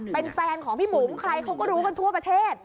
เป็นแฟนของพี่บุ๋มใครเขาก็รู้กันทั่วประเทศ